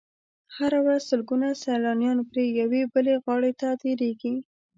هره ورځ سلګونه سیلانیان پرې یوې بلې غاړې ته تېرېږي.